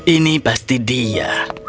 ini pasti dia